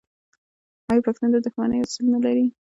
آیا پښتون د دښمنۍ اصول نلري؟